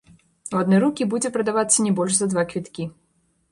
У адны рукі будзе прадавацца не больш за два квіткі.